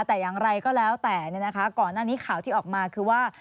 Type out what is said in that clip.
แต่อย่างไรก็แล้วแต่ก่อนหน้านี้ข่าวที่ออกมาคือว่า